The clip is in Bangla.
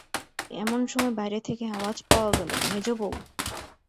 এমন সময় বাইরে থেকে আওয়াজ পাওয়া গেল, মেজোবউ।